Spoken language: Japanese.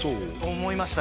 思いました